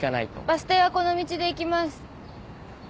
バス停はこの道で行きます。